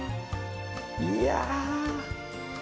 いや！